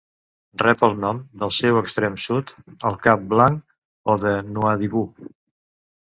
Rep el nom del seu extrem sud, el Cap Blanc o de Nouadhibou.